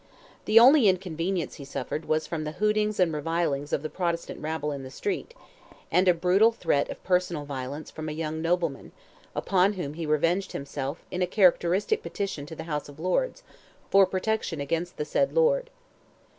The only inconvenience he suffered was from the hootings and revilings of the Protestant rabble in the street, and a brutal threat of personal violence from a young nobleman, upon whom he revenged himself in a characteristic petition to the House of Lords "for protection against the said lord."